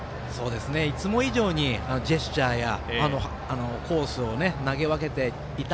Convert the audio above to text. いつも以上にジェスチャーやコースを投げ分けていた。